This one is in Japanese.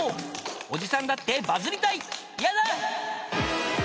［おじさんだってバズりたい！］